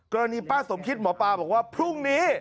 ป้าสมคิดหมอปลาบอกว่าพรุ่งนี้